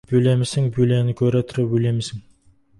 Бөлемісің, бөлені көре тұра өлемісің.